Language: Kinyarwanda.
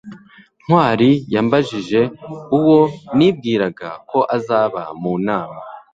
ntwali yambajije uwo nibwiraga ko azaba mu nama